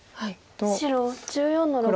白１４の六。